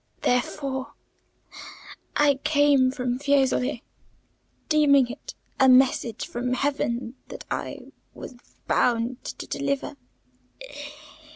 Therefore I came from Fiesole, deeming it a message from heaven that I was bound to deliver.